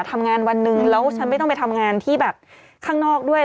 ทำงานวันหนึ่งแล้วฉันไม่ต้องไปทำงานที่แบบข้างนอกด้วย